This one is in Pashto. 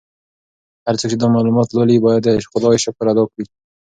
هر څوک چې دا معلومات لولي باید د خدای شکر ادا کړي.